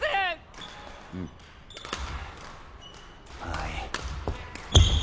はい。